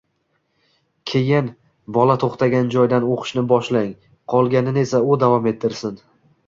Keyin bola to‘xtagan joydan o‘qishni boshlang, qolganini esa u davom ettirsin.